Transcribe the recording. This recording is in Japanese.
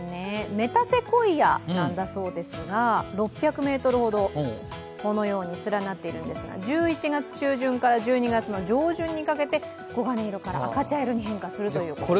メタセコイアなんだそうですが、６００ｍほどこのように連なっているんですが１１月中旬から１２月上旬にかけて黄金色から赤茶色に変化するということです。